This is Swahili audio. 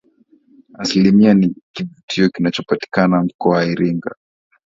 isimila ni kivutio kinachopatikana mkoa wa iringa